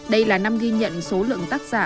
đây là năm ghi nhận số lượng tác giả